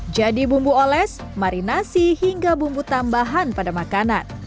jadi bumbu oles marinasi hingga bumbu tambahan pada makanan